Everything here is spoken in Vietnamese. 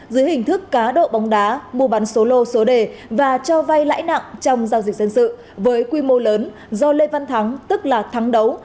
dưới hình thức cá độ bóng đá mua bán số lô số đề và cho vay lãi nặng trong giao dịch dân sự với quy mô lớn do lê văn thắng tức là thắng đấu